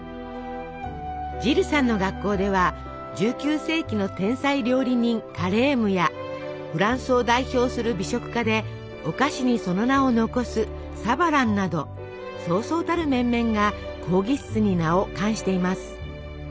ジルさんの学校では１９世紀の天才料理人カレームやフランスを代表する美食家でお菓子にその名を残すサヴァランなどそうそうたる面々が講義室に名を冠しています。